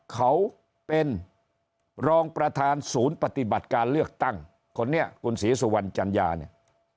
เขาเป็นรองประธานศูนย์ปฏิบัติการเลือกตั้งคนนี้คุณศรีสุวรรณจัญญาเนี่ย